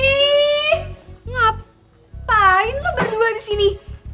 ih ngapain lo berdua di sini